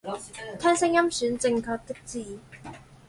聽聲音選正確的字